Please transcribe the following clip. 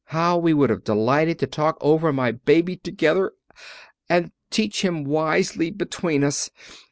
How we would have delighted to talk over my baby together, and teach him wisely between us!